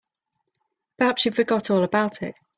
Perhaps she forgot all about it.